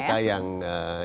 dan kita yang insya allah